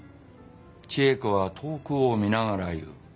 「智恵子は遠くを見ながら言ふ」。